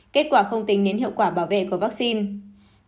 kết quả không tính đến hiệu quả bảo vệ của vaccine